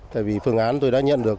tại vì phương án tôi đã nhận được